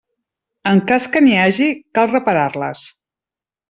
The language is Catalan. En cas que n'hi hagi, cal reparar-les.